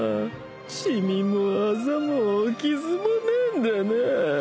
染みもあざも傷もねえんだなぁ。